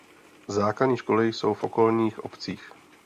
Základní školy jsou v okolních obcích.